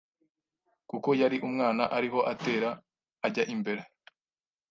kuko yari umwana ariho atera ajya imbere